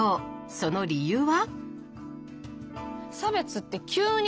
その理由は？